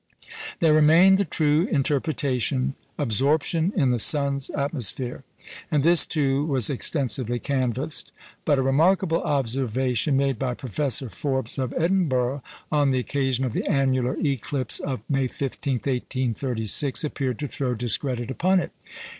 There remained the true interpretation absorption in the sun's atmosphere; and this, too, was extensively canvassed. But a remarkable observation made by Professor Forbes of Edinburgh on the occasion of the annular eclipse of May 15, 1836, appeared to throw discredit upon it.